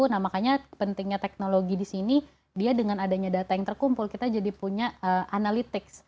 nah makanya pentingnya teknologi di sini dia dengan adanya data yang terkumpul kita jadi punya analytics